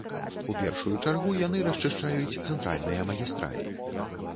У першую чаргу яны расчышчаюць цэнтральныя магістралі.